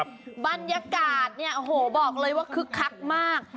บรรยากาศเนี่ยโอ้โหบอกเลยว่าคึกคักมาก